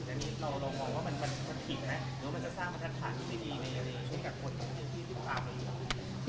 เราบอกว่ามันคิดนะหรือจะสร้างขวัญทันทัน